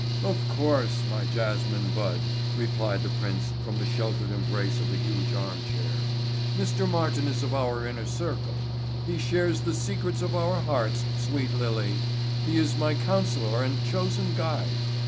"Of course, my jasmine bud," replied the prince from the sheltered embrace of a huge arm chair. "Mr. Martin is of our inner circle. He shares the secrets of our hearts, sweet lily. He is my councilor and chosen guide.